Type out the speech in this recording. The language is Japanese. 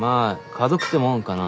家族ってもんかな。